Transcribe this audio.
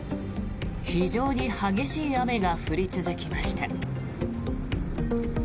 非常に激しい雨が降り続きました。